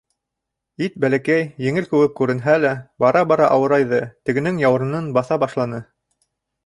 Ит бәләкәй, еңел кеүек күренһә лә, бара-бара ауырайҙы, тегенең яурынын баҫа башланы.